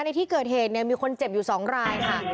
ในที่เกิดเหตุมีคนเจ็บอยู่๒รายค่ะ